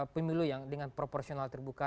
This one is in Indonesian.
pemilu yang dengan proporsional terbuka